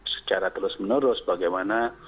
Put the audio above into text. secara terus menerus bagaimana